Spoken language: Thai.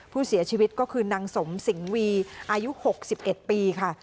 ผู้เสียชีวิตก็คือนางสมสิ่งวีอายุหกสิบเอ็ดปีค่ะ